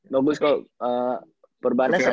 nobis kalo perbaannya sama si itu